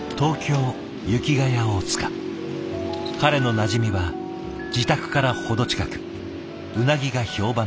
彼のなじみは自宅から程近くうなぎが評判のかっぽう料理店。